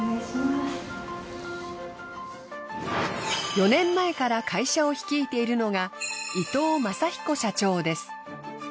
４年前から会社を率いているのが伊藤雅彦社長です。